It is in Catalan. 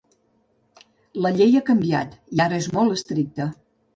La Llei ha canviat i ara és molt estricta.